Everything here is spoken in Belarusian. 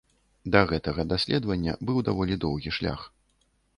Да гэтага даследавання быў даволі доўгі шлях.